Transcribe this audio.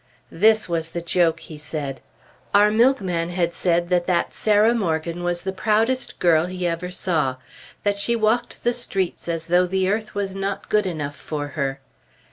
This was the joke, he said. Our milkman had said that that Sarah Morgan was the proudest girl he ever saw; that she walked the streets as though the earth was not good enough for her.